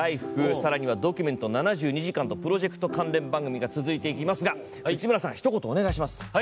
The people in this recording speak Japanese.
さらには「ドキュメント７２時間」とプロジェクト関連番組が続いていきますが内村さん、ひと言お願いします。